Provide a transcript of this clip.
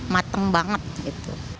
mateng banget gitu